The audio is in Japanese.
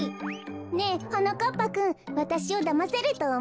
ねえはなかっぱくんわたしをだませるとおもう？